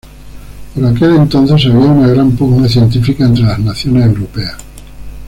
Por aquel entonces había una gran pugna científica entre las naciones europeas.